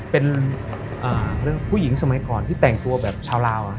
เป็นเรื่องผู้หญิงสมัยก่อนที่แต่งตัวแบบชาวลาว